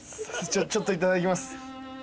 ちょっといただきます。